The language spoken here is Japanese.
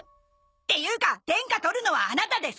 っていうか天下取るのはアナタです！